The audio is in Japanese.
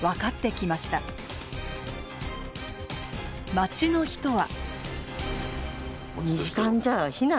町の人は。